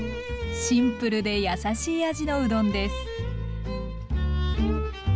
シンプルでやさしい味のうどんです。